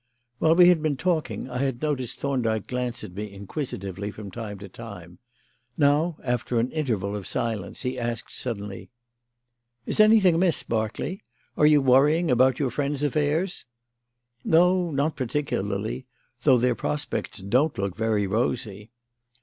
While we had been talking I had noticed Thorndyke glance at me inquisitively from time to time. Now, after an interval of silence, he asked suddenly: "Is anything amiss, Berkeley? Are you worrying about your friends' affairs?" "No, not particularly; though their prospects don't look very rosy."